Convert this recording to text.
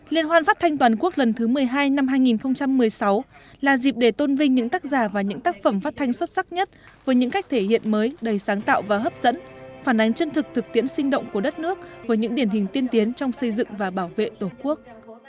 liên hoan phát thanh toàn quốc lần thứ một mươi hai năm hai nghìn một mươi sáu là dịp để tôn vinh những tác giả và những tác phẩm phát thanh xuất sắc nhất với những cách thể hiện mới đầy sáng tạo và hấp dẫn phản ánh chân thực thực tiễn sinh động của đất nước với những điển hình tiên tiến trong xây dựng và bảo vệ tổ quốc